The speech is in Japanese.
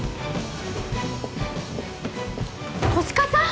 小鹿さん？